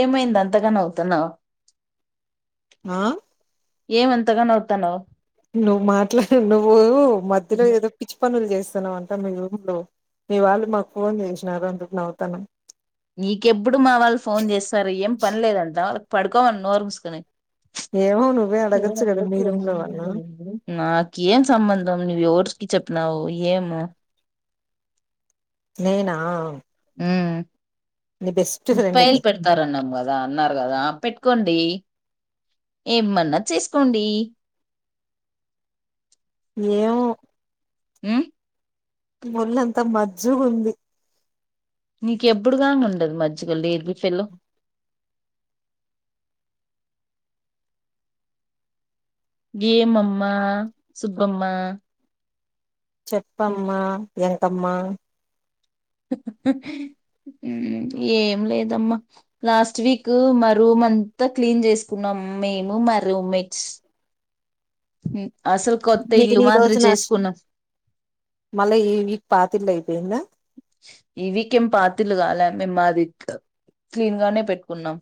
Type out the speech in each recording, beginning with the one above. ఏమైంది అంతగా నవ్వుతున్నావు ఆ ఏం అంతగా నవ్వుతున్నావ్ నువ్వు మాట్లాడి నువ్వు మధ్యలో ఏదో పిచ్చి పనులు చేస్త అంతా మీ రూమ్ లో మీ వాళ్ళు మాకు ఫోన్ చేసినారు అందుకు నవవుతానం నీకెప్పుడు మా వాళ్ళు ఫోన్ చేస్తారు ఏం పనిలేదంట వాళ్ళ పడుకోవమన్నోరు ముసుకోని ఏమో నువ్వే అడగచ్చు కదా మీ రూమ్ లో వాళ్ళు నాకేం సంబంద్ మని ఎవర్సికి చెప్పనా ఓ ఏమో నేనా ఉమ్ నీ బెస్ట్ ఫ్రెండ్ పైల్ కి పెడతారున్నాం కదా అన్నారు కదా పె కొండి ఏమన్నా చేసుకోండి ఏమో ఉమ్ ముళ్ళంత మజ్జుగుంది నీక ఎప్పుడు కాంగ ఉండదు మజ్జుగన్ లెజిఫెల్లో గేమ్మ్మ సుబ్బమ్మ చెప్పమ్మ ఎంకమ్మా ఏం లేదమ్మా లాస్ట్ వీక్ మా రూమ్ అంతా క్లీన్ చేసుకున్నాం మేము మా రూమ్మేట్స్ ఉమ్ అసలు కొత్త ఇల్లు నేను ఈ మాదిరి రోజు నా చేసుకున్నాం మళ్ళా ఈ వీక్ పాతిల్లు అయిపోయిందా ఇ వీక్ ఏం పాతిళ్ళు కాల మేము మా క్లీన్ గానే పెట్టుకున్నాం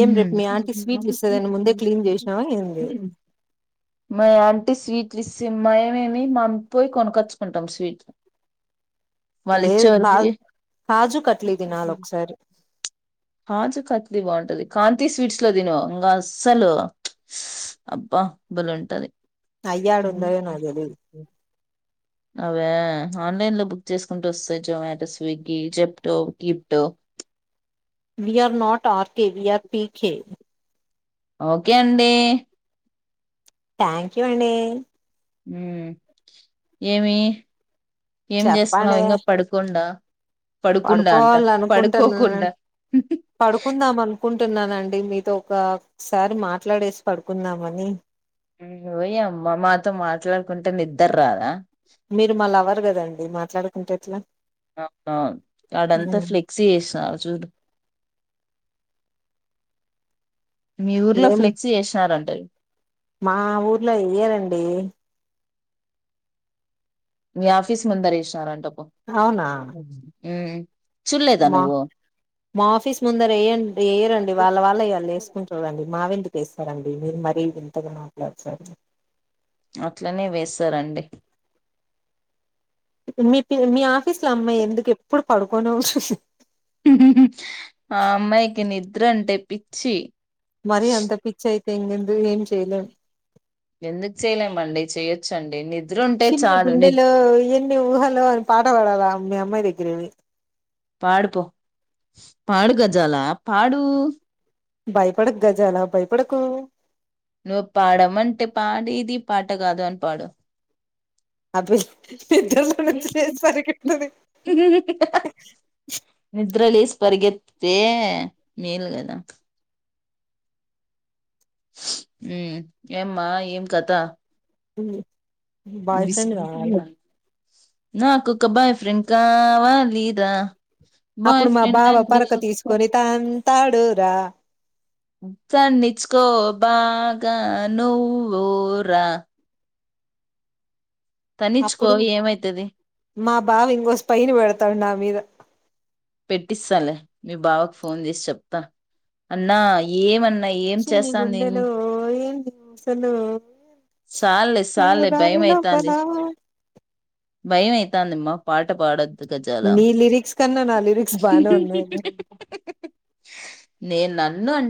ఏం రేపు మీ ఆంటీ స్వీట్లు ఇస్తదని ముందే క్లీన్ చేసినావా ఏంది మ ఆంటి స్వీట్ లు ఇస్తే ఏమి మేమేమీ మంపోయి కొనకొచ్చుకుంటాం స్వీట్ లేదు కాదు కాజు కట్లీ తినాలి ఒకసారి కాజు కత్లీ బాగుంటది కాంతి స్వీట్స్ లో తిను ఇంకా అస్సలు అబ్బా బలే ఉంటాది అయ్యాడా ఉదయో నాకు తెలీదు అవే ఆన్లైన్ లో బుక్ చేసుకుంటె వస్తాయి జొమాటో స్విగ్గి జెప్టో కీప్టో వీఆర్ నట్ ఆర్క వీఆర్ పీకె ఓకే అండి థ్యాంక్యూ అండి ఉ ఏమి ఏం చెప్పండి చేస్తున్నావు ఇంకా పడుకుండా పడుకుండా అంట పడుకోవాల అనుకుంటున్నాను పడుకోకుండా టున్నానండి మీతో ఒకసారి మాట్లాడేసి పడుకుందామని ఉమ్, దర్ రాదా మీరు మళ్ళా వర్ కదండి మాట్లాడుకుంటే ఎట్లా అవు వాడంతా ఫ్లెక్సీ చేసా చూడు మీ ఊర్లో ఏం ఫ్లెక్సీ చేసినారంటారు మా ఊర్లో వెయ్యరండి మీ ఆఫీస్ ముందర ఎశినారాంట అవునా ఉం మా మా ఆఫీస్ ముందర ఎయన్ ఎయరండి వాళ్ళ వాళ్ళ ఇ వాళ్ళు ఎసుకుంటారండి మావెందుకు వేస్తారండి మీరు మరీ వింతగా మాట్లాడతారు అట్లనే వేేసారండి మీ పి మీ ఆఫీస్ లో అమ్మాయి ఎందుకు ఎప్పుడు పడుకోనే ఆ అమ్మాయికి నిద్ర అంటే పిచ్చి మరి అంత పిచ్చయితే ఇంగెం ఏం చెయలేం ఎందుకు చేయలేమండి చెయొచ్చండి ని ఉంటే చిన్ని చాలు గుండెలో ఎన్ని ఊహలో అని పాట పడాలా మీ అమ్మాయి ద గ్గరిపోయి పాడుపో పాడు గజాలా పాడూ భయపడకు గజాలా భయపడకూ నువ్వు పాడమంటే పాడేది పాట కాదు అని పాడు అది [unintelligible] పరిగెత్తిత్తే మేల్గదా హుం ఏమ్మా ఏం కథ ఉ బాయ్ ఫ్రెండ్ కావాలా నాకొకబాయి ఫ్రెండ్ కావాలి రా అప్పుడు మా బావ పొరక తీసుకుని తం తాడురా తన్నిచ్కో బాగా నువ్వురా తనిచ్చుకో అప్పుడు ఏమైతది మా బావ ఇంగో స్పైని పెడతాడు నా మీద పెట్టిస్తాలె మీ బావకు ఫోన్ చేసి చెప్తా అన్నా ఏమ చిన్ని గుండెలో ఎన్ని ఊసులో సాల్లే సాల్లే భయం దానిలోపల అయితాంది భయం అయితాందిమ పాట పాడద్ మీ లిరిక్స్ కన్నా నా లిరి [inaudible] నేను నన్ను అం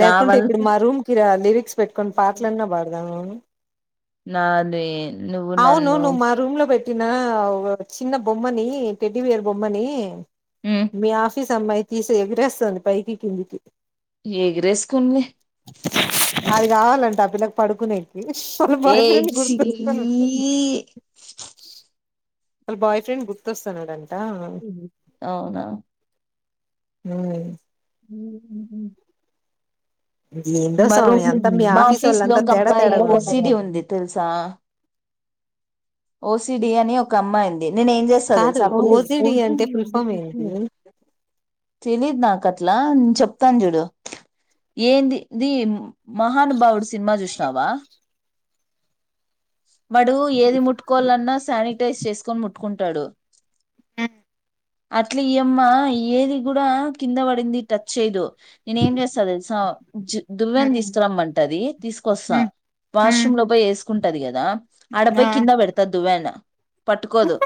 లేకుంటే ఇప్పుడు మా రూమ్కి రా లిరిక్స్ పెట్టుకొని పాటలన్నా పాడదాము నాదే అవును నువ్ మా రూమ్ లో పెట్ నిన్న చిన్న బొమ్మని, టెడ్డిబేర్ బొమ్మని, ఉమ్ మీ ఆఫీస్ అమ్మాయి తీసి ఎగిరేస్తుంది పైకి, కిందికి. ఎగిరేసుకోని కావాలంటా ఆ పిల్లకి పడుకునేది. వాళ్ళ బాయ్ ఫ్రెండ్ గుర్తొస్తున్. ఈ వాళ్ళ బాయ్ ఫ్రెండ్ గుర్తొస్తున్నాడని. ఉహు అవునా మ్ ఉ ఉ ఉ ఊ ఏందో మరో స్వామి అంతా మీ మా ఆఫీస్ ఆఫీస్లో వాళ్ళంతా ఒక తేడా అబ్బాయికి తేడాగా ఓ. సీ. డీ. ఉంది తెలుసా. ఓసిడీ అని ఒక అమ్మాయుంది. కాదు ఓసిడి అంటే ఫుల్ ఫామ్ ఏంటి ఉమ్ తెలీదు నాకు అట్లా ఇలా చెప్తాను చూడు ఏంది ది మహానుభావుడు సినిమా చూసినావా. వాడు ఏది ముట్ క్కొల్లన్న శానిటైస్ చేసుకొని ము కుంటాడు ఉ అట్ల ఈ అమ్మ ఏది కుడా కింద పడింది టచ్ చేయదు. నేను ఏం చేస్త తెలుసా. దువ్వెన ఉమ్ తీసుకురమ్మంటది తీసుకొస్తా ఉమ్ ఉమ్ వాష్రూమ్ లో పోయి వేసు కుంటది కదా. ఆ ఆడబోయి కింద పెడి దువ్వెన పట్టుకోదు.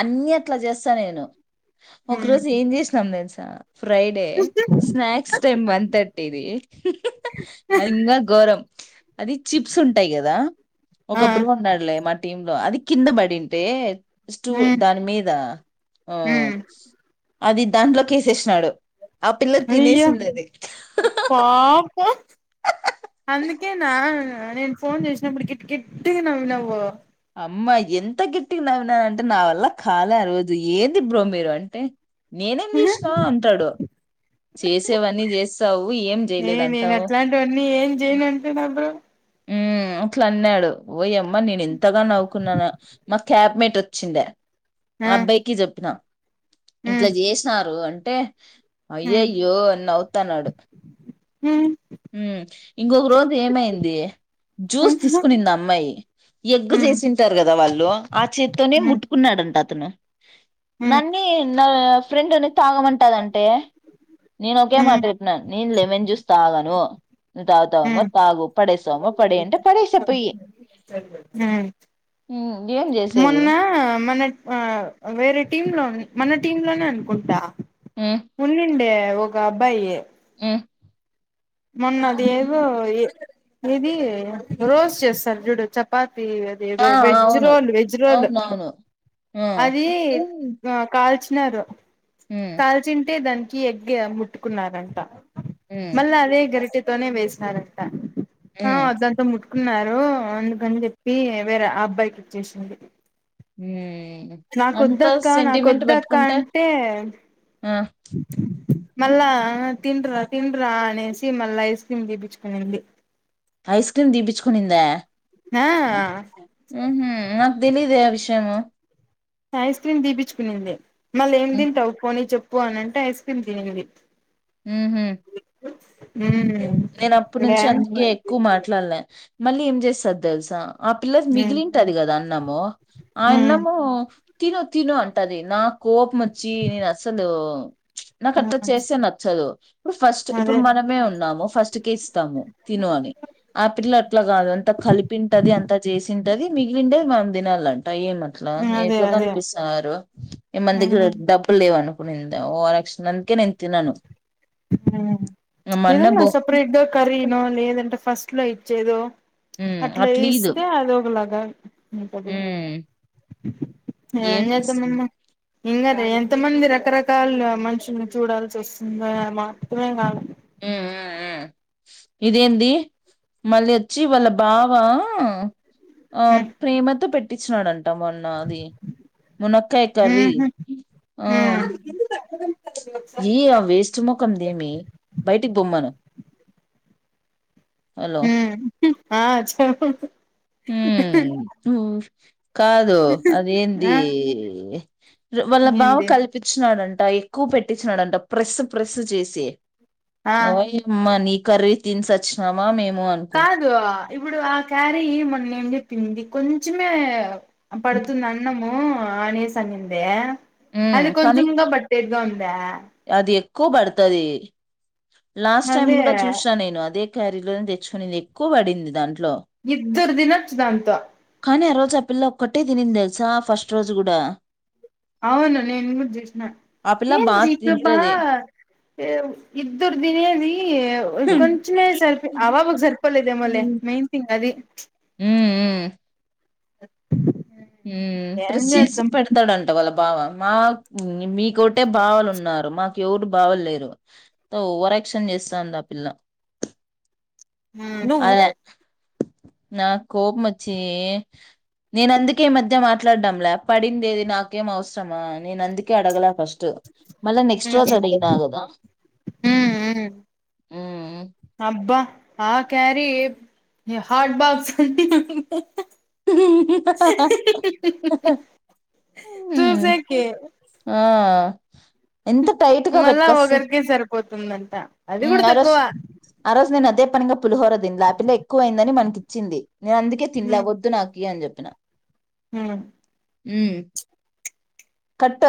అన్నీ అట్ల చేస్తా నేను. ఒక ఉమ్ రోజు ఏం చేసినాం తెలుస తా ఫ్రైడే స్నాక్స్ టైమ్ వన్ థర్టీది అది ఇంకా ఘోరం అది చిప్స్ ఉంటాయి కదా ఒక ఆ ఒకప్పుడు ఉండాలి. మా టీమ్ లో అది కింద పడుంటే. స్టూల్ ఉమ్ దాని మీద ఆ అది దాంట్లోకి ఎసేసినాడు. అయ్యా పాపం అందుకే నా నేను ఫోన్ చేసినప్పుడు గట్టిగట్టిగా నవ్వినావు అమ్మా ఎంత గిట్టిగా నవ్వినవంటే నా వల్ల కాలే ఆ రోజు ఏంది బ్రో మీరు అంటే నేనేం చేసినా అంటాడు చేసేవన్నీ చేస్తావు ఏం ఏ చేయలేదు నేను అంటావు అట్లాంటివన్నీ ఏం చేయను అంటున్నా బ్రో ఉ అట్లా అన్నాడు ఓయమ్మ నేను ఎత్తగా నవ్వుకున్నాను మా క్యాబ్మేట్ వచ్చిందే ఆ అబ్బాయికి చెప్పిన ఇంట్లా ఉమ్ చేసినారు అంటే ఏ ఉమ్ అయ్యయ్యో అని నవుతాన్నాడు ఉమ్ ఇంకొక రోజు ఏమైంది జ్యూస్ ఉహు తీసుకునింది అమ్మాయి ఎగ్గు ఉమ్ చేసింటారు కదా వాళ్ళు ఆ చేతితోనే ఉమ్ ముట్టుకున్నాడు- ంటను ఉమ్ నన్నీ నా ఫ్రెండ్ అనే తాగమంటదంట నేను ఒకే మాట చెప్పినట్టు మం చూస్తాగాను తవుతావ ఉమ్ మరి తాగు పడేేశ అమ్మ పడేంట పడేేశా పోయి ఉమ్ హ్మ్ ఏం చేసేది మొన్న మన ఆ వేరే టీమ్ లో మన టీమ్ లోనే అనుకుంటా హ్మ్ ఉన్నండే ఏవో గా అబాయ హ్మ్ మొన్నది ఏదో ఇది రోస్ చేస్తారు చూడు చపాతి ది ఆ ఏదో వెజ్ అవును రోల్ వెజ్ రోల్ అవునవును ఆ అది హ్మ్ కాల్చ చిన్నారుారు హ్మ్ కాల్చింటేదాం కి ఎగ్ ముట్టుకున్నారంట మళ్ళా అదే గరటి వేసినారంత ఆ హ్మ్ అదంతా ముట్ ఉన్నారు అందుకన్ చెప్పి వేరే అబ్బాయికి వచ్చేసింది. మ్ నాకొద్దక్క నాకొద్దక్క అంటే ఆ మళ్ళా తిన్రా తిన్రా అనేసి మళ్ళ ఐస్ క్రీమ్ తిపిచుకునింది. ఐస్ క్రీమ్ దిపిచ్కునిందా ఆ నాక్ తెలీదు ఆ వి షయం ఐస్ క్రీమ్ దీపిచ్కునింది మల్లేం తింటావు పోనీ చెప్ పోనంటే ఐస్ క్రీమ్ తినింది. మ్ హ్ మ్ నేన్ అప్పట్ నుంచే అందుకే ఎక్కు మాట్లాడ్లే మళ్ళీ ఏం చేస్తద్ తెల్సా ఆ పిల్లది ఉమ్ మిగిలింటది కదా అన్నము ఆ ఉమ్ అన్నము తిను తిను అంటది నాక్ కోపం అచ్చి నేన్ అసలు నాక్ అట్ల ఉమ్ చేస్తే నచ్చదు. ఇప్పుడు ఫస్ట్ ఇప్పుడు అదే మనమే ఉన్నాము ఫస్ట్ కేస్ స్తాము తిను అని ఆ పిల్ల అట్ల కాదు అంత కలిపింటది అంత చేసింటది మిగిలిండే మ తినాలం ట ఏం అట్లా అదే ఎట్లా అదే కనిపిస్తున్నారు ఏ మన దగ్గర ఉమ్ డబ్బుల్ లేవను [unintelligible] ఓవర్షన్ అందుకే నేన్ తినను ఆ మా అన్న ఇవన్ని బో బ్రెడ్ కర్రీనో లేద ఫస్ట్లో ఇచ్చేదో ఉమ్, అట్ల అట్లీదు ఇస్తే అదొక లగా ఉంటది. ఉమ్ ఏం చేద్దాం చేసింది ఉమ్ అమ్మ ఇంగ ఎంత మందిర రకరకాల మనుషుల్ని చూడాల్సి వస్తుంది మాత్రమే కాదు ఆ ఇదేంది మళ్ళీ వచ్చి వాళ్ళ బావా ఆ ఉమ్ ప్రేమతో పెట్ పట్టిచినాడన్ ట్ట మొన్న అది మునక్కాయ కర్రీ ఉహు ఆ ఏ ఆ వేస్ట్ ముఖదేమి బయటికి బొమ్మను హలో ఆ చ హ్మ్ కాదు ఆ అదేంది వాళ్ళ బావ ఏంది కల్పించినాడు అ ఎక్కువ పెట్టించినడంట ప్రెస్ ప్రెస్ చేసి ఆ ఓ యి అమ్మని కర్రీ తీస సచ్చినామా మేము అనుకుంటి కాదు ఇప్పుడు ఆ క్యారీ మ ఏడి పిండి కొంచమే పడుతుంది అన్నమో ఆఊ ఆ నీసాంగందే ఉమ్ అది కానీ కొంచముంగా బట్టేర్దా ఉ అ అది ఎక్కువ పడుతది లాస్ట్ టైమ్ అదే కూడా చూసిన నేను అదే క్యారీ లోని తెచ్చుకునిది ఎక్కువ పడింది దాంట్లో ఇద్దర్ దిన చధాంత కానీ ఆ రోజు ఆ పిల్ల ఒక్కటే తినింది తెలుసా ఫస్ట్ రోజు కూడా అవును నేను గూడ చూసిన ఆ పిల్ల ఏంది బాగా ఇది సబ్బ తింటది ఏ ఇద్దరు దినేది ఉమ్ కొంచమే సరిపి అవ వ సరిపల్ ఇద మళ మైయిన్ థింగ్ అది అ హ్మ్ ప్రెస్ చేసి పెడతండంట వాళ్ళకు బావ మా మీకోటే బావాలు ఉన్నారు మాకు ఎవరు బావలు లేరు ఓవర్వర్క్షన్ చేస్తాంది ఆ పిల్ల ఉ నువ్వు నా కోపంచ్చే నేను అందుకు ఈ మధ్య మాట్లాడడంలా పడిందేది నాకేం అవసరమా నేను అందుకే అడగల ఫస్ట్ మళ్ళ నెక్స్ట్ రోజు అడిగిన గదా ఉ అబ్బా ఆ క్యారీ హార్ట్ బాక్స్ అ చూసకి ఆ ఎంత టైట్ గా పెట్టుకొస్స పోతుందని ఇంగారొజ్ ఆ రోజు నేనదే పనింగ పులిహోర దిన్లా ఆ పల్ల ఎక్కువయిందని మనకి ఇచ్చింది నేన్ అందుకే తిన్లా వద్దు నాకి అని చెప్పి తిన్నా హుమ్ ఉ కట్